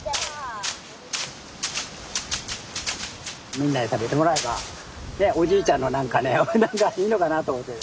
みんなに食べてもらえばおじいちゃんの何かねいいのかなあと思って。